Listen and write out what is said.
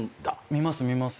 見ます見ます。